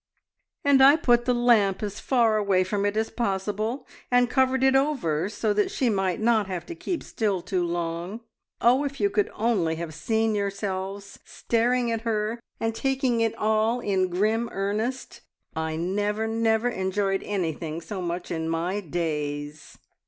"And I put the lamp as far away from it as possible, and covered it over so that she might not have to keep still too long. Oh, if you could only have seen yourselves staring at her, and taking it all in grim earnest! I never, never enjoyed anything so much in my days!"